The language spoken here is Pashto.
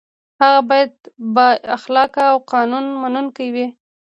هغه باید با اخلاقه او قانون منونکی وي.